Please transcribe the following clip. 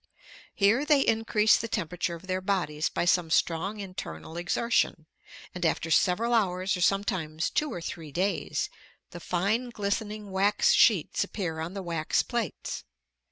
Here they increase the temperature of their bodies by some strong internal exertion; and after several hours or sometimes two or three days, the fine glistening wax sheets appear on the wax plates.